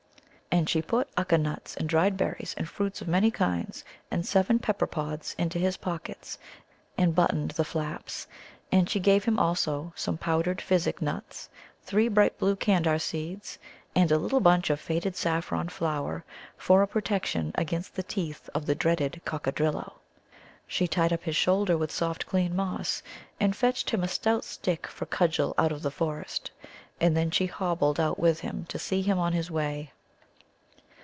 And she put Ukka nuts, and dried berries and fruits of many kinds, and seven pepper pods into his pockets, and buttoned the flaps. And she gave him also some powdered physic nuts, three bright blue Candar seeds, and a little bunch of faded saffron flower for a protection against the teeth of the dreaded Coccadrillo. She tied up his shoulder with soft clean moss, and fetched him a stout stick for cudgel out of the forest. And then she hobbled out with him to see him on his way.